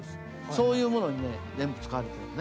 そういうものにね全部使われてるのね。